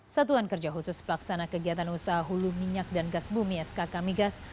satuan kerja khusus pelaksana kegiatan usaha hulu minyak dan gas bumi skk migas